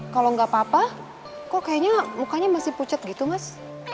kalau nggak apa apa kok kayaknya mukanya masih pucet gitu mas